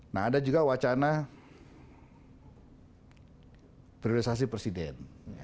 nah ada juga wacana priorisasi presiden